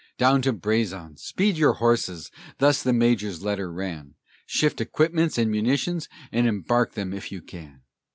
"Down to Brazon speed your horses," thus the Major's letter ran, "Shift equipments and munitions, and embark them if you can."